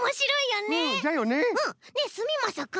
うん。ねえすみまさくん。